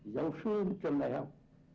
giáo sư trần đại học